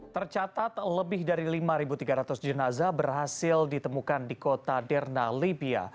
tercatat lebih dari lima tiga ratus jenazah berhasil ditemukan di kota derna libya